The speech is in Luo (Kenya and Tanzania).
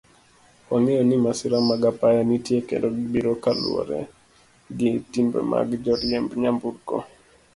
Wangeyo ni masira mag apaya nitie kendo gibiro kaluwore gi timbe mag joriemb nyamburko.